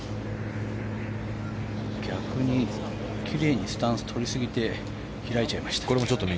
逆に、きれいにスタンスをとりすぎて開いちゃいました。